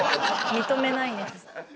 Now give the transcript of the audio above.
認めないです。